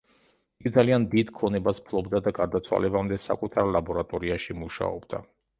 იგი ძალიან დიდ ქონებას ფლობდა და გარდაცვალებამდე საკუთარ ლაბორატორიაში მუშაობდა.